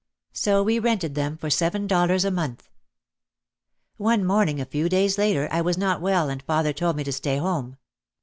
So we rented them for seven dollars a month. One morning a few days later I was not well and father told me to stay home.